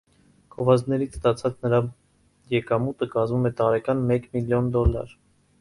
Գովազդներից ստացած նրա եկամուտը կազմում է տարեկան մեկ միլիոն դոլլար։